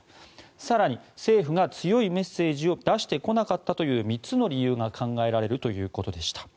更に、政府が強いメッセージを出してこなかったという３つの理由が考えられるということでした。